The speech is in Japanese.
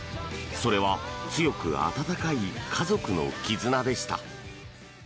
それは強く温かい家族の絆でした。